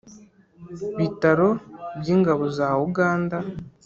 bitaro by'ingabo za uganda.